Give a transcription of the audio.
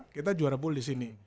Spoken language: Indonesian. kita juara pool disini